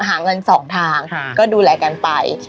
หาเงิน๒ทางก็ดูแลกันไป